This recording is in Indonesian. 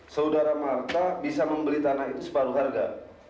saudara marta bisa membeli tanah itu separuh harga